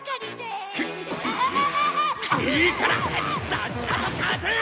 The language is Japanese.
いいからさっさと貸せ！